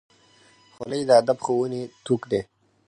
خولۍ د ادب ښوونې توک دی.